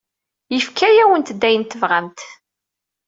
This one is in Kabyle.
Yefka-awent-d ayen tebɣamt.